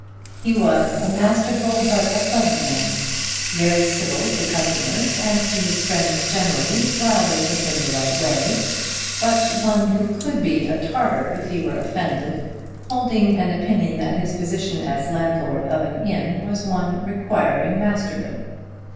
He was a masterful but a pleasant man, very civil to customers and to his friends generally while they took him the right way; but one who could be a Tartar if he were offended, holding an opinion that his position as landlord of an inn was one requiring masterdom.